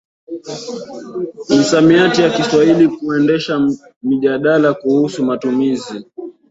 misamiati ya Kiswahili Kuendesha mijadala kuhusu matumizi